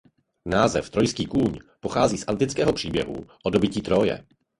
Název Trojský kůň pochází z antického příběhu o dobytí Tróje.